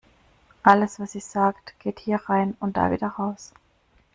Alles, was sie sagt, geht hier rein und da wieder raus.